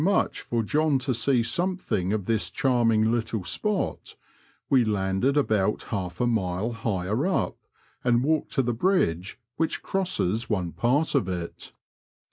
71 much for John to see something of this charming little spot, we landed about half a mile higher up, and walked to the bridge which crosses one part of it.